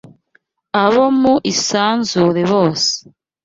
Abo mu isanzure bose